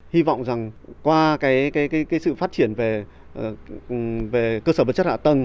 hy vọng rằng qua sự phát triển về cơ sở vật chất hạ tầng